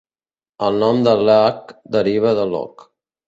El nom de 'Lack' deriva de 'Lock'.